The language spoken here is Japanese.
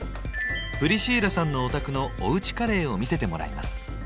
プリシーラさんのお宅のおうちカレーを見せてもらいます。